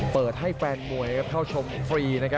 เปิดให้แฟนมวยเข้าชมฟรี